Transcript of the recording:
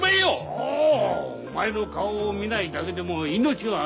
ああお前の顔を見ないだけでも命が延びらあ。